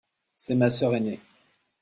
C'est ma sœur ainée.